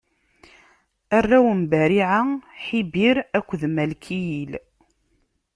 Arraw n Bariɛa: Ḥibir akked Malkiyil.